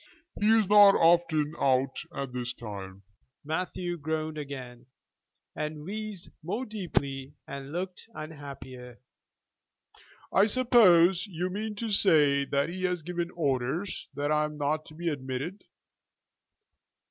"He is not often out at this time." Matthew groaned again, and wheezed more deeply, and looked unhappier. "I suppose you mean to say that he has given orders that I am not to be admitted?"